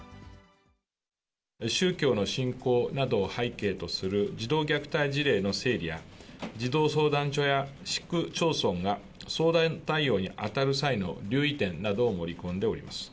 宗教の信仰などを背景とする児童虐待事例の整理や、児童相談所や市区町村が相談対応に当たる際の留意点などを盛り込んでおります。